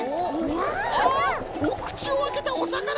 あおくちをあけたおさかな！